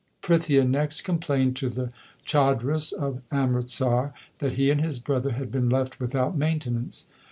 Prithia next complained to the chaudhris of Amritsar, that he and his brother had been left without maintenance.